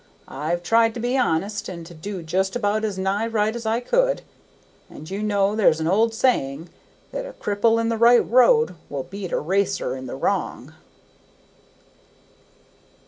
I've tried to be honest, and to do just about as nigh right as I could, and you know there's an old sayin' that a cripple in the right road will beat a racer in the wrong."